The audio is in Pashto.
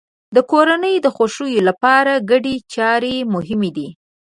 د کورنۍ د خوښۍ لپاره ګډې چارې مهمې دي.